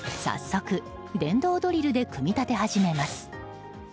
早速、電動ドリルで組み立て始めます。